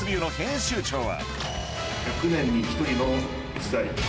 １００年に１人の逸材。